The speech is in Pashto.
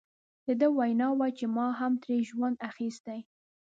د ده وینا وه چې ما هم ترې ژوند اخیستی.